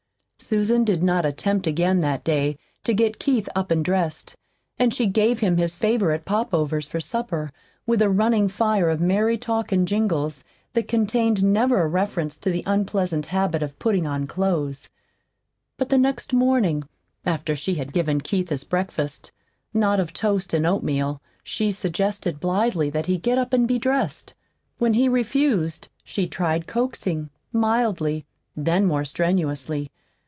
Susan did not attempt again that day to get Keith up and dressed; and she gave him his favorite "pop overs" for supper with a running fire of merry talk and jingles that contained never a reference to the unpleasant habit of putting on clothes, But the next morning, after she had given Keith his breakfast (not of toast and oatmeal) she suggested blithely that he get up and be dressed. When he refused she tried coaxing, mildly, then more strenuously.